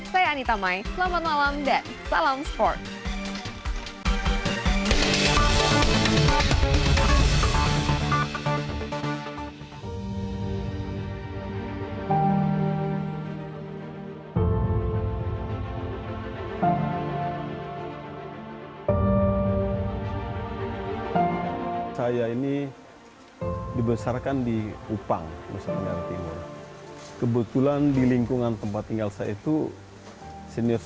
saya anita mai selamat malam dan salam sport